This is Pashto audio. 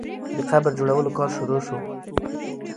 د قبر جوړولو کار شروع سو.